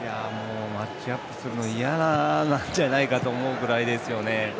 マッチアップするの嫌なんじゃないかなと思うぐらいですよね。